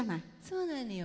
そうなのよ。